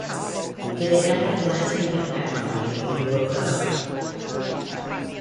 Did it have any lasting impact on you when you woke up?